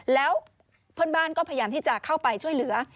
แล้วเพื่อนบ้านก็พยายามที่จะเข้าไปช่วยเหลือ